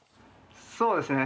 そうですね。